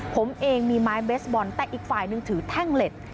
ผมเองมีไม้เบสบอลแต่อีกฝ่ายนึงถือแท่งเหล็ก